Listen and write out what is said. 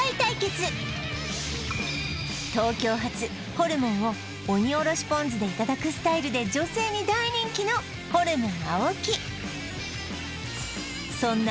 ホルモンを鬼おろしポン酢でいただくスタイルで女性に大人気のホルモン青木そんな